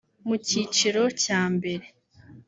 Mu cyiciro cya mbere